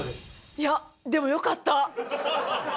いや、でもよかった。